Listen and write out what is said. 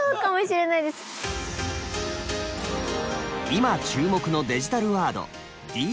今注目のデジタルワード「ＤＸ」。